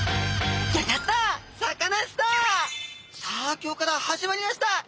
さあ今日から始まりました！